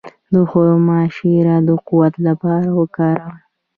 د خرما شیره د قوت لپاره وکاروئ